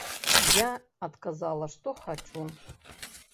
Я адказала, што хачу.